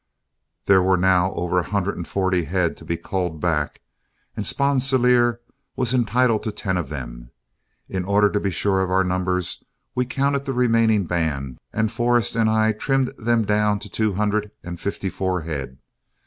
There were now over a hundred and forty head to be culled back, and Sponsilier was entitled to ten of them. In order to be sure of our numbers, we counted the remaining band, and Forrest and I trimmed them down to two hundred and fifty four head.